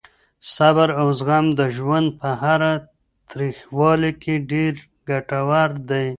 صبر او زغم د ژوند په هره تریخوالې کې ډېر ګټور دي.